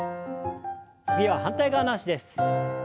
次は反対側の脚です。